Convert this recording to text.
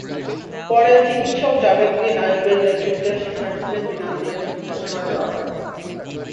পরে চিকিৎসক জাবেদ বিন আয়ুবের নেতৃত্বে শিক্ষার্থীদের বিনা মূল্যে চিকিৎসাসেবা দেওয়া হয়।